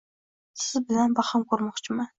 Siz bilan baham ko’rmoqchiman.